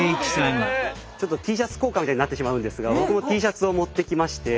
ちょっとＴシャツ交換みたいになってしまうんですが僕もＴシャツを持ってきまして。